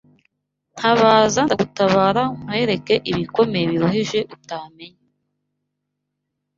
Ntabaza ndagutabara nkwereke ibikomeye biruhije utamenya